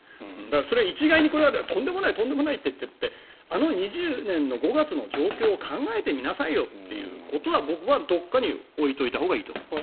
それは一概にとんでもないって言ったってあの２０年の５月の状況を考えてみなさいよということは僕はどこかに置いておいたほうがいいと思います。